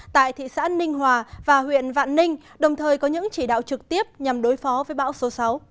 tại thị xã ninh hòa và huyện vạn ninh đồng thời có những chỉ đạo trực tiếp nhằm đối phó với bão số sáu